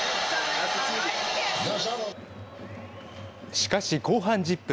しかし、後半１０分。